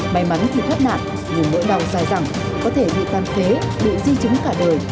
may mắn thì thoát nạn nhưng mỗi đau dài dẳng có thể bị tan phế bị di chứng cả đời